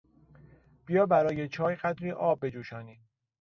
بیا برای چای قدری آب بجوشانیم.